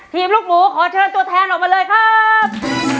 ลูกหมูขอเชิญตัวแทนออกมาเลยครับ